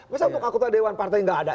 bisa untuk akuntan dewan partai gak ada